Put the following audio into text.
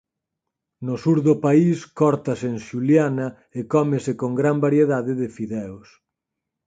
No sur do país córtase en xuliana e cómese con gran variedade de fideos.